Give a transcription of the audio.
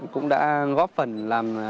cũng đã góp phần làm